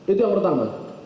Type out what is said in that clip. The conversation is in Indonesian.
itu yang pertama